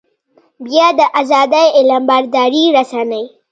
بيا د ازادۍ علمبردارې رسنۍ.